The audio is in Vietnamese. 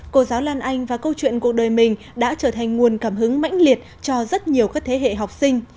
cô giáo lan anh và câu chuyện cuộc đời mình đã trở thành nguồn cảm hứng mãnh liệt cho rất nhiều các thế hệ học sinh